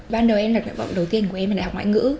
ban đầu em đặt mệnh vọng đầu tiên của em là đại học ngoại ngữ